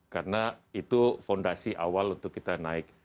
karena itu fondasi awal untuk kita naik